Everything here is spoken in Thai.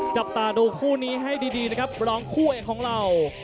จับตาดูคู่นี้ให้ดีนะครับร้องคู่เอกของเรา